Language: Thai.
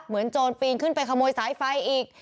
โจรปีนขึ้นไปขโมยสายไฟอีก